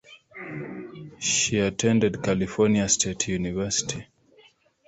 She attended California State University.